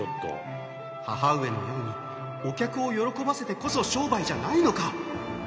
母上のようにお客を喜ばせてこそ商売じゃないのか！？